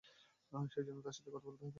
সেজন্য তার সাথে কথা বলতে হবে।